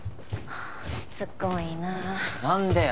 しつこいなあ何でや？